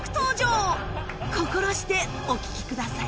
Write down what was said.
心してお聞きください